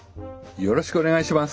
よろしくお願いします。